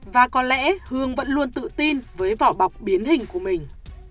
và có lẽ hương vẫn luôn tự tin với vỏ bọc biến hình của mình